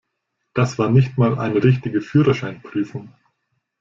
Das war nicht mal eine richtige Führerscheinprüfung.